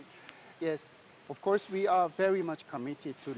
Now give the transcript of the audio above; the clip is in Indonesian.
kami sangat berkomitmen untuk